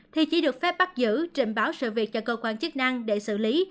thì chỉ được phép bắt giữ trình báo sự việc cho cơ quan chức năng để xử lý